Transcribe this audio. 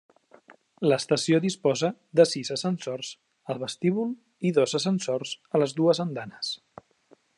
L'estació disposa de sis ascensors al vestíbul i dos ascensors a les dues andanes.